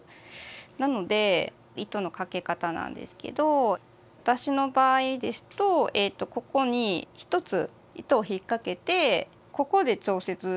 なので糸のかけ方なんですけど私の場合ですとここに１つ糸を引っ掛けてここで調節。